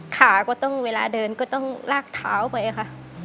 ขาก็ต้องเวลาเดินก็ต้องลากเท้าไปค่ะ